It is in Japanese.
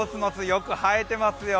よく映えてますよ。